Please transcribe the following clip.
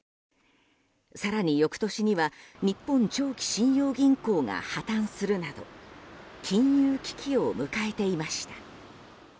更に翌年には日本長期信用銀行が破綻するなど金融危機を迎えていました。